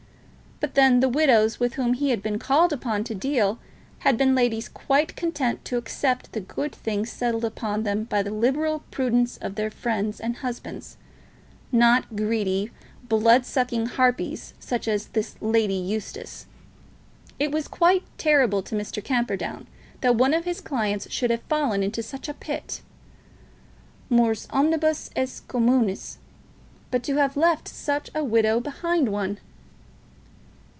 But then the widows with whom he had been called upon to deal, had been ladies quite content to accept the good things settled upon them by the liberal prudence of their friends and husbands, not greedy, blood sucking harpies such as this Lady Eustace. It was quite terrible to Mr. Camperdown that one of his clients should have fallen into such a pit. Mors omnibus est communis. But to have left such a widow behind one!